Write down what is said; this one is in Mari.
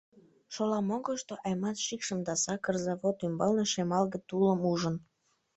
Шола могырышто Аймат шикшым да сакыр завод ӱмбалне шемалге тулым ужын.